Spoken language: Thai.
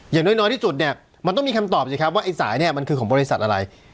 อย่างน้อยที่สุดเนี่ยมันต้องมีคำตอบสิครับว่าไอ้สายเนี่ยมันคือของบริษัทอะไร